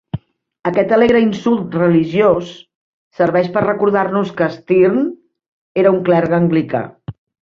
Aquest alegre insult religiós serveix per a recordar-nos que Sterne era un clergue anglicà.